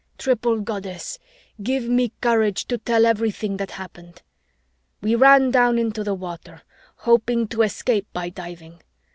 "Triple Goddess, give me courage to tell everything that happened. We ran down into the water, hoping to escape by diving.